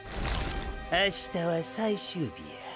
明日は最終日や。